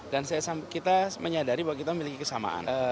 dan kita menyadari bahwa kita memiliki kesamaan